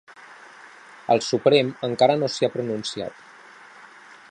El Suprem encara no s’hi ha pronunciat.